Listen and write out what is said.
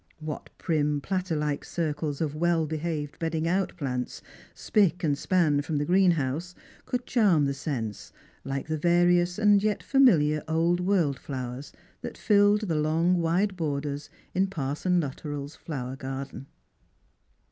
What prim platter like circles of well behaved bedding out plants, spick nnd span from the green house, could charm the sense like the various and yet familiar old world flowers that filled the long wide borders in Parson Luttrell's flower garden